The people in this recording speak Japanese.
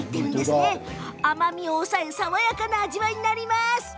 甘みを抑え、爽やかな味わいに。